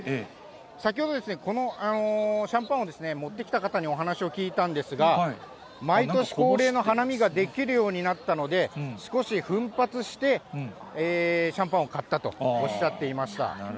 先ほど、このシャンパンを持ってきた方にお話を聞いたんですが、毎年恒例の花見ができるようになったので、少し奮発してシャンパンを買ったとおっしゃっていました。